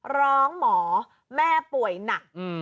ร้องหมอแม่ป่วยหนัก